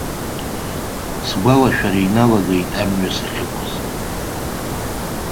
Сгәалашәара иналагеит амҩа сахьықәыз.